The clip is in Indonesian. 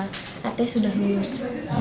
kt sudah lulus